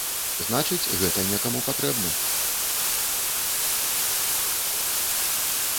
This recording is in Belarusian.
Значыць, гэта некаму патрэбна.